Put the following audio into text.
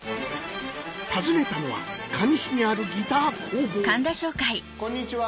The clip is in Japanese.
訪ねたのは可児市にあるギター工房こんにちは。